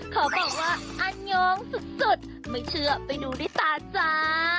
ขอบอกว่าอันงสุดไม่เชื่อไปดูด้วยตาจ้า